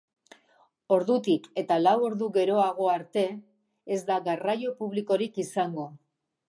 Ordutik eta lau ordu geroago arte, ez da garraio publikorik izango.